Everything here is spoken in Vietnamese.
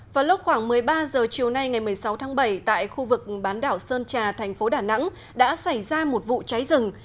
vào lúc khoảng một mươi ba h chiều nay ngày một mươi sáu tháng bảy tại khu vực bán đảo sơn trà thành phố đà nẵng đã xảy ra một vụ cháy rừng